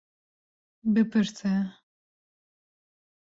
Bipirse.